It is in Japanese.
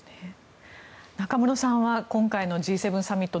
中室さんは今回のＧ７サミット